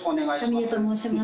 神谷と申します。